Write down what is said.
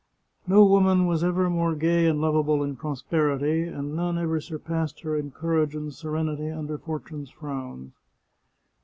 No woman was ever more gay and lovable in prosperity, and none ever surpassed her in cour age and serenity under Fortune's frowns.